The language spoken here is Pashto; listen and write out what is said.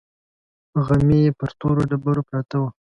غمي پر تورو ډبرو پراته وو.